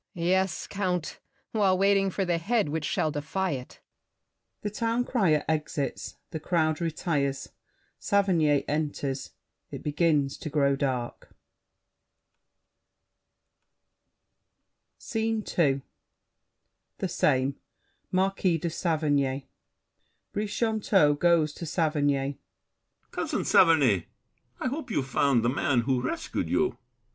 Yes, Count; while waiting for the head Which shall defy it. [The Town Crier exits; the crowd retires. Saverny enters. It begins to grow dark. SCENE II The same. Marquis de Saverny BRICHANTEAU (going to Saverny). Cousin Saverny, I hope you've found the man who rescued you. SAVERNY.